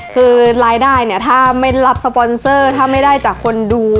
คือรายได้เนี่ยถ้าไม่รับสปอนเซอร์ถ้าไม่ได้จากคนดู